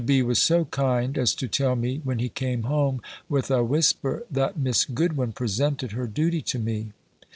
B. was so kind as to tell me, when he came home, with a whisper, that Miss Goodwin presented her duty to me.